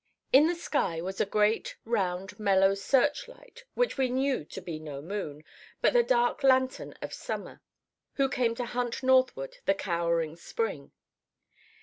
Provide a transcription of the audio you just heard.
In the sky was a great, round, mellow searchlight which we knew to be no moon, but the dark lantern of summer, who came to hunt northward the cowering spring.